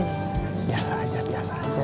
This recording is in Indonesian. biasa aja biasa aja